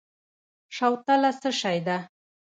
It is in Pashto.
شوتله څه شی ده؟